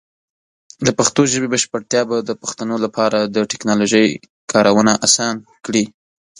د پښتو ژبې بشپړتیا به د پښتنو لپاره د ټیکنالوجۍ کارونه اسان کړي.